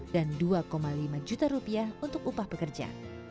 dan dua lima juta rupiah untuk upah pekerja